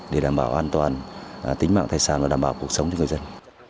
để đảm bảo an toàn tính mạng thay sản và đảm bảo cuộc sống cho người dân